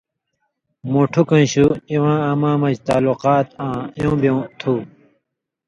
مُوٹُھوکَیں شُو اِواں اما مژ تعلقات آں ایوں بیوں تُھو۔